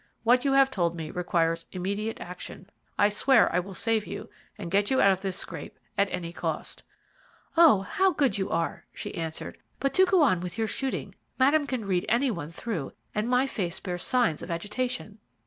What you have told me requires immediate action. I swear I will save you and get you out of this scrape at any cost." "Oh, how good you are," she answered; "but do go on with your shooting. Madame can read any one through, and my face bears signs of agitation."